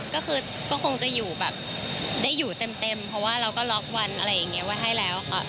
ก็คือก็คงจะอยู่แบบได้อยู่เต็มเพราะว่าเราก็ล็อกวันอะไรอย่างนี้ไว้ให้แล้ว